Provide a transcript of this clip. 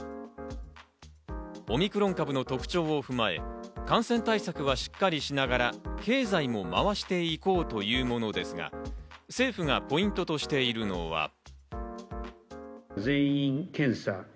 オミクロン株の特徴を踏まえ、感染対策はしっかりしながら経済も回して行こうというものですが、政府がポイントとしているのは。